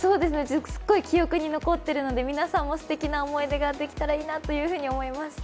すっごい記憶に残っているので皆さんもすてきな思い出ができたらいいなと思います。